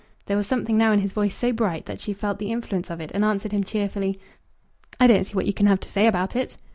There was something now in his voice so bright, that she felt the influence of it, and answered him cheerfully, "I don't see what you can have to say about it."